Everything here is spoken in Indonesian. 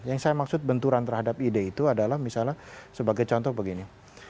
yang saya maksud benturan terhadap ide itu adalah misalnya sebagai contoh begini